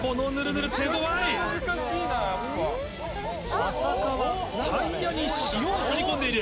安積はタイヤに塩を擦り込んでいる。